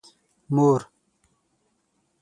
مور